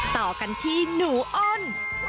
ต่อกันที่หนูอ้น